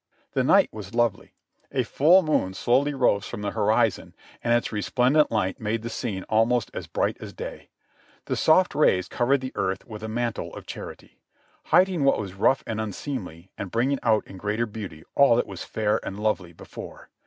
The night was lovely ; a full moon slowly rose from the hori zon, and its resplendent light made the scene almost as bright as day; the soft rays covered the earth with a mantle of charity, hiding what was rough and unseemly, and bringing out in greater beauty all that was fair and lovely before.